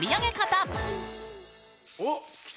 おっ来た！